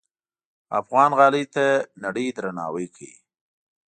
افغان غالۍ ته نړۍ درناوی کوي.